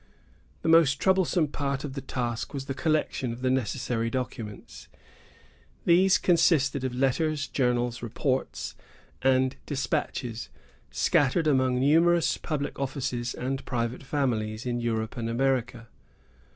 The most troublesome part of the task was the collection of the necessary documents. These consisted of letters, journals, reports, and despatches, scattered among numerous public offices, and private families, in Europe and America.